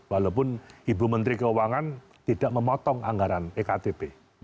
walaupun ibu menteri keuangan tidak memotong anggaran ektp